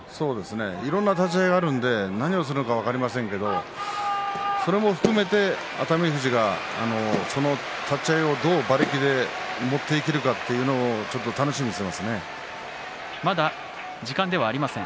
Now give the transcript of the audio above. いろいろな立ち合いがありますので何をするか分かりませんけれどもそれも含めて熱海富士がその立ち合いをどう馬力で持っていけるかというのをまだ時間ではありません。